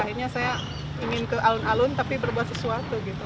akhirnya saya ingin ke alun alun tapi berbuat sesuatu gitu